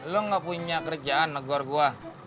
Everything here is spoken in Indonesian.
lo gak punya kerjaan negor gue